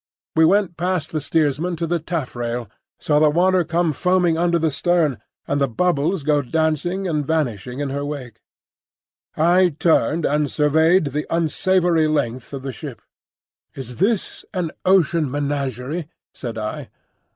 We went past the steersman to the taffrail, and saw the water come foaming under the stern and the bubbles go dancing and vanishing in her wake. I turned and surveyed the unsavoury length of the ship. "Is this an ocean menagerie?" said I.